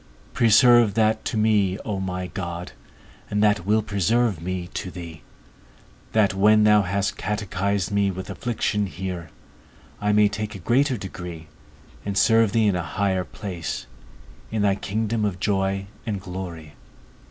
Preserve that to me, O my God, and that will preserve me to thee; that, when thou hast catechised me with affliction here, I may take a greater degree, and serve thee in a higher place, in thy kingdom of joy and glory.